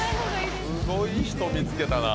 すごい人見つけたな。